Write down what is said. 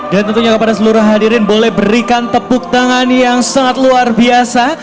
dan tentunya kepada seluruh hadirin boleh berikan tepuk tangan yang sangat luar biasa